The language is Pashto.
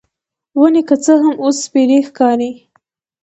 ونې که څه هم، اوس سپیرې ښکارېدې.